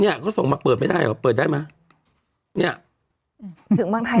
เนี่ยเขาส่งมาเปิดไปได้เหรอเปิดได้ไหม